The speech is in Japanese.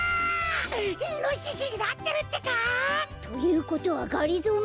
イノシシになってるってか！？ということはがりぞー